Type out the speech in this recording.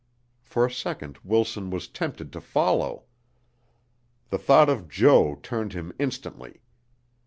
For a second Wilson was tempted to follow. The thought of Jo turned him instantly.